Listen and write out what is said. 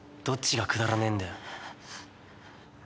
どっちがくだらねえんだよ？